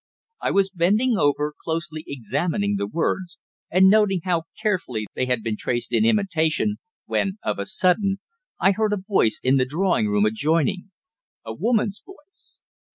I was bending over, closely examining the words and noting how carefully they had been traced in imitation, when, of a sudden, I heard a voice in the drawing room adjoining a woman's voice.